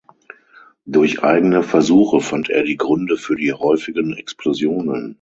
Durch eigene Versuche fand er die Gründe für die häufigen Explosionen.